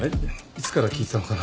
いつから聞いてたのかな？